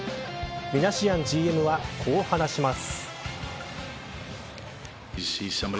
ミナシアンＧＭはこう話します。